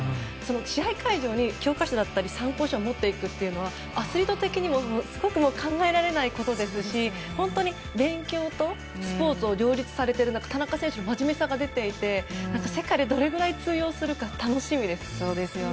試合会場に教科書だったり参考書を持っていくというのはアスリート的にすごく考えられないことですし本当に勉強とスポーツを両立されている田中選手の真面目さが出ていて世界でどれぐらい通用するか楽しみです。